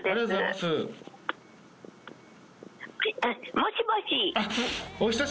もしもし？